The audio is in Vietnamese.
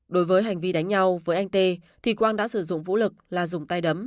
đối với hành vi đánh nhau với anh t thì quang đã sử dụng vũ lực là dùng tay đấm